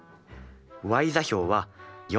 ｙ座標は４。